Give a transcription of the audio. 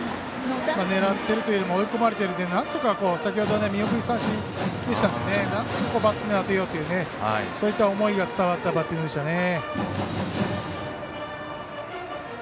狙っているというよりも追い込まれて先ほど見逃し三振でしたのでなんとかバットに当てようというそういった思いが伝わったバッティングでしたね。